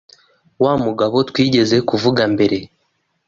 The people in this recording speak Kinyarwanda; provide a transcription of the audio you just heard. Wa mugabo twigeze kuvuga mbere,